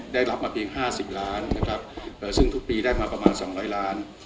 ได้รับมาเพียง๕๐ล้านนะครับซึ่งทุกปีได้มาประมาณ๒๐๐ล้าน